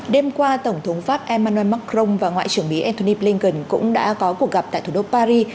đêm qua tổng thống pháp emmanuel macron và ngoại trưởng mỹ antony blinken cũng đã có cuộc gặp tại thủ đô paris